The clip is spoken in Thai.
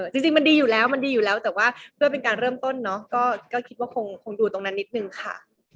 จริงมันดีอยู่แล้วแต่ว่าเพื่อเป็นการเริ่มต้นก็คิดว่าคงดูตรงนั้นนิดนึงค่ะ